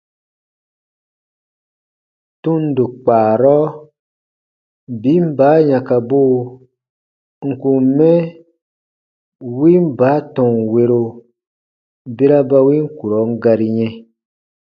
Tundo kpaarɔ, biin baa yãkabuu n kùn mɛ win baa tɔnwero bera ba win kurɔn gari yɛ̃,